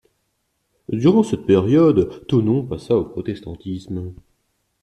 Durant cette période Thonon passa au protestantisme.